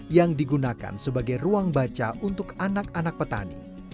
yang digunakan sebagai ruang baca untuk anak anak petani